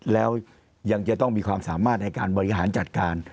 แล้วยังจะต้องมีความสามารถในการบริหารจัดการ